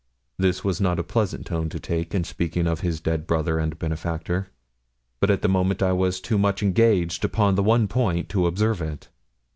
This was not a pleasant tone to take in speaking of his dead brother and benefactor; but at the moment I was too much engaged upon the one point to observe it.